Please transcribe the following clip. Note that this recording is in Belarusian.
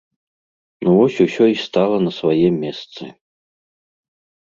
Ну вось усё і стала на свае месцы.